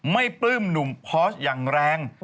ไม่ปลื้มหนุ่มพอร์ชกันอย่างแรง